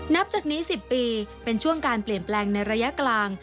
นับจากนี้๑๐ปีเป็นช่วงการเปลี่ยนแปลงในระยะกลาง